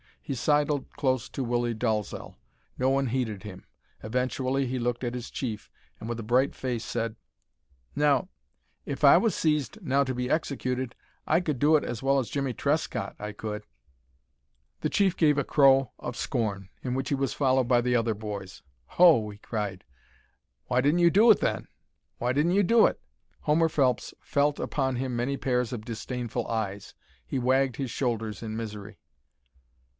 He sidled close to Willie Dalzel. No one heeded him. Eventually he looked at his chief, and with a bright face said, "Now if I was seized now to be executed, I could do it as well as Jimmie Trescott, I could." The chief gave a crow of scorn, in which he was followed by the other'boys. "Ho!" he cried, "why didn't you do it, then? Why didn't you do it?" Homer Phelps felt upon him many pairs of disdainful eyes. He wagged his shoulders in misery.